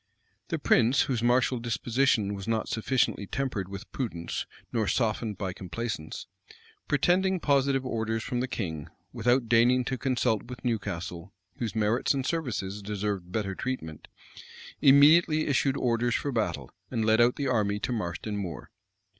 [*] The prince, whose martial disposition was not sufficiently tempered with prudence, nor softened by complaisance, pretending positive orders from the king, without deigning to consult with Newcastle, whose merits and services deserved better treatment, immediately issued orders for battle, and led out the army to Marston Moor.